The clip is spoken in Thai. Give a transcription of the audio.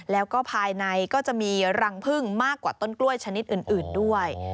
แล้วก็ภายในก็จะมีรังพึ่งมากกว่าต้นกล้วยชนิดอื่นด้วย